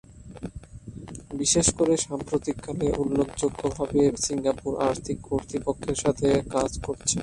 বিশেষ করে সাম্প্রতিককালে উল্লেখযোগ্যভাবে সিঙ্গাপুর আর্থিক কর্তৃপক্ষের সাথে কাজ করছে।